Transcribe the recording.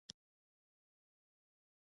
آیا غیږ نیول د دوی ملي لوبه نه ده؟